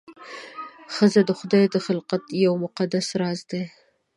ښځه د خدای د خلقت یو مقدس راز دی.